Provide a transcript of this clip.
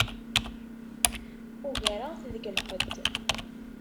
Ugareɣ-t deg lqedd.